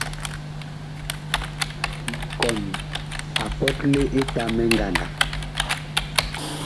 Mikɔn a pɔtle Etamɛ ngandag.